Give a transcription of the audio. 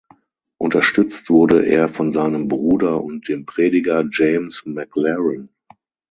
Unterstützt wurde er von seinem Bruder und dem Prediger James Maclaren.